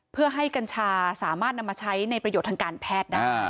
เพื่อให้กัญชาสามารถนำมาใช้ในประโยชน์ทางการแพทย์ได้